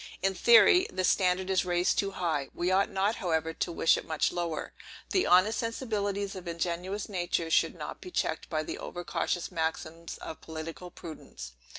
In theory, the standard is raised too high; we ought not, however, to wish it much lower. The honest sensibilities of ingenuous nature should not be checked by the over cautious maxims of political prudence.